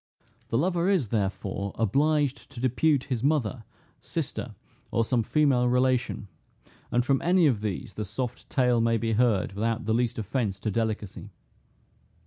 The lover is, therefore, obliged to depute his mother, sister, or some female relation; and from any of these the soft tale may be heard without the least offence to delicacy.